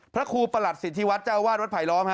พระครูประหลัดสิทธิวัฒน์เจ้าวาดวัดไผลล้อม